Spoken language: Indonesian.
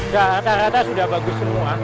ya rata rata sudah bagus semua